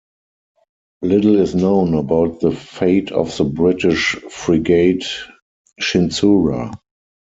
Little is known about the fate of the British frigate "Chinsura".